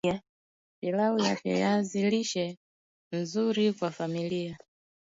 Pilau ya viazi lishe nzuri kwa familia